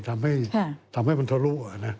ทำให้มันทะลุ